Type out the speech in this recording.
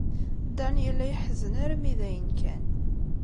Dan yella yeḥzen armi d ayen kan.